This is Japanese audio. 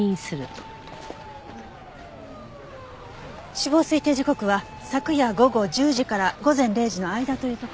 死亡推定時刻は昨夜午後１０時から午前０時の間というところね。